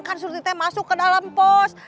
kan sulitnya masuk ke dalam pos